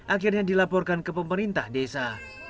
akhirnya dilaporkan ke pemerintah desa